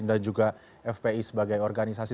dan juga fpi sebagai organisasi